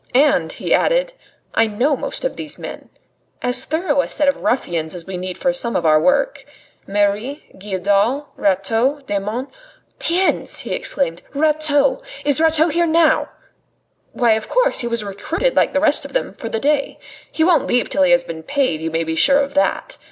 "And," he added, "I know most of these men. As thorough a set of ruffians as we need for some of our work. Merri, Guidal, Rateau, Desmonds. TIENS!" he exclaimed. "Rateau! Is Rateau here now?" "Why, of course! He was recruited, like the rest of them, for the day. He won't leave till he has been paid, you may be sure of that.